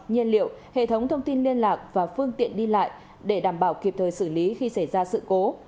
nhiên liệu hệ thống thông tin liên lạc và phương tiện đi lại để đảm bảo kịp thời xử lý khi xảy ra sự cố